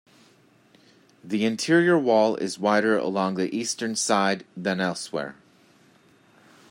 The interior wall is wider along the eastern side than elsewhere.